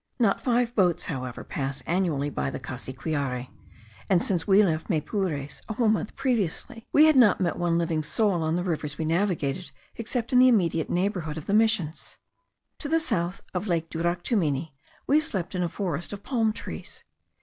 Not five boats, however, pass annually by the Cassiquiare; and since we left Maypures (a whole month previously), we had not met one living soul on the rivers we navigated, except in the immediate neighbourhood of the missions. To the south of lake Duractumuni we slept in a forest of palm trees.